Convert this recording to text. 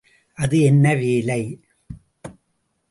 அது என்ன வேலை?